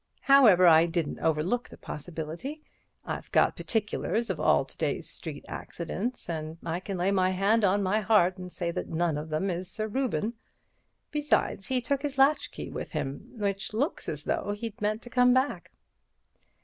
However, I didn't overlook the possibility. I've got particulars of all to day's street accidents, and I can lay my hand on my heart and say that none of them is Sir Reuben. Besides, he took his latchkey with him, which looks as though he'd meant to come back."